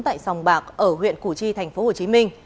tại sòng bạc ở huyện củ chi tp hcm